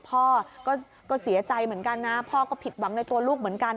พ่อก็เสียใจเหมือนกันนะพ่อก็ผิดหวังในตัวลูกเหมือนกัน